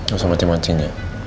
gak usah mancing mancing ya